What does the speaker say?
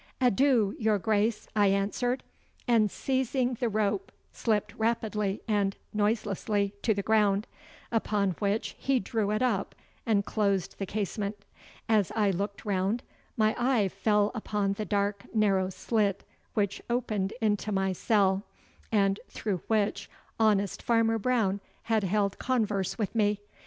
'Adieu, your Grace!' I answered, and seizing the rope slipped rapidly and noiselessly to the ground, upon which he drew it up and closed the casement. As I looked round, my eye fell upon the dark narrow slit which opened into my cell, and through which honest Farmer Brown had held converse with me.